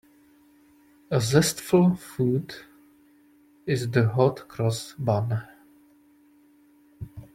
A zestful food is the hot-cross bun.